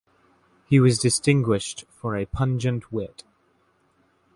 He was distinguished for a pungent wit.